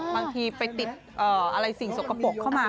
บางทีไปติดอะไรสิ่งสกปรกเข้ามา